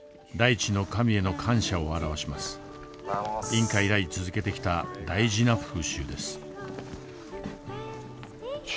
インカ以来続けてきた大事な風習です。